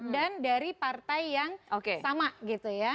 dan dari partai yang sama gitu ya